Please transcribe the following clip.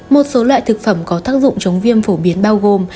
một số loại thực phẩm có tác dụng chống viêm phổ biến bao gồm